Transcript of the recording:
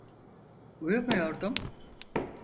Uyumuyordum.